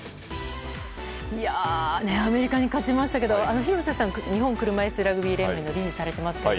アメリカに勝ちましたけど廣瀬さんは日本車いすラグビー連盟の理事をされていますが。